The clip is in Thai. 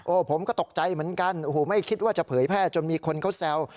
ผมก็ตกใจเหมือนกันโอ้โหไม่คิดว่าจะเผยแพร่จนมีคนเขาแซว